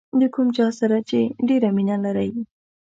د کوم چا سره چې ډېره مینه لرئ.